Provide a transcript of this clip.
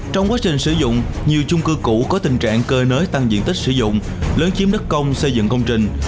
trong quá trình sử dụng nhiều chung cư cũ có tình trạng cơ nới tăng diện tích sử dụng lấn chiếm đất công xây dựng công trình